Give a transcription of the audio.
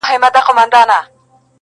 دوې یې سترګي وې په سر کي غړېدلې؛